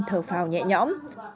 thở phào nhẹ nhõm